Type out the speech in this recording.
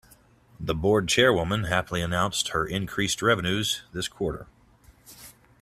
The board chairwoman happily announced increased revenues this quarter.